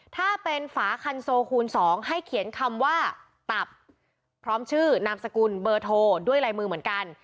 ถ้าเป็นฝาคันโซคูณ๒ให้เขียนคำว่าตับพร้อมชื่อนามสกุลเบอร์โทรด้วยลายมือเหมือนกัน